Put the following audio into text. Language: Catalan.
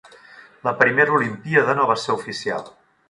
La primera olimpíada no va ser oficial.